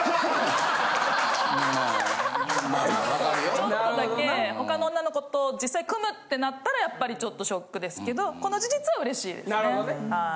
ちょっとだけ他の女の子と実際組むってなったらやっぱりちょっとショックですけどこの事実はうれしいですねはい。